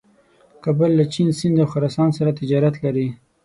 کابل له چین، سیند او خراسان سره تجارت لري.